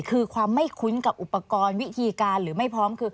คือความไม่คุ้นกับอุปกรณ์วิธีการหรือไม่พร้อมคือ